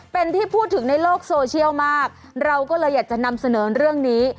เป็นที่พูดถึงในโลกโซเชียลมากเราก็เลยอยากจะนำเสนอเรื่องนี้